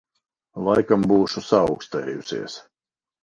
Laikam būšu saaukstējusies.